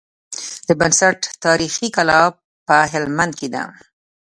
د بست تاريخي کلا په هلمند کي ده